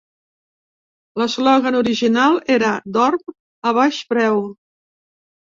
L'eslògan original era "Dorm a baix preu".